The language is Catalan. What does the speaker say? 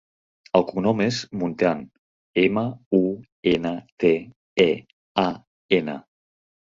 El cognom és Muntean: ema, u, ena, te, e, a, ena.